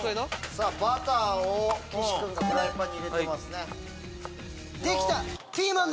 さぁバターを岸君がフライパンに入れてますね。